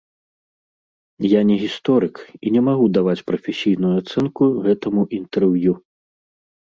Я не гісторык і не магу даваць прафесійную ацэнку гэтаму інтэрв'ю.